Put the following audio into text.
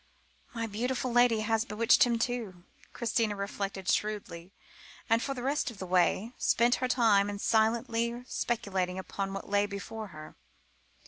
"My beautiful lady has bewitched him, too," Christina reflected shrewdly; and, for the rest of the way, spent her time in silently speculating upon what lay before her.